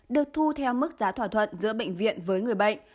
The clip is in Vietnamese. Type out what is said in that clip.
được thu theo mức giá thỏa thuận giữa bệnh viện với người bệnh